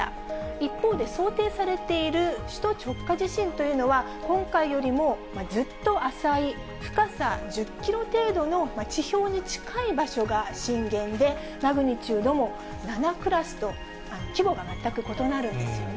一方で想定されている首都直下地震というのは、今回よりもずっと浅い深さ１０キロ程度の地表に近い場所が震源で、マグニチュードも７クラスと、規模が全く異なるんですよね。